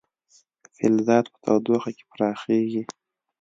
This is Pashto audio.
فلزات په تودوخه کې پراخېږي.